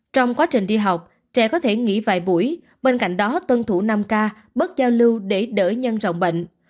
trong quá trình đi học trẻ có thể nghỉ vài buổi bên cạnh đó tuân thủ năm k bớt giao lưu để đỡ nhân rộng bệnh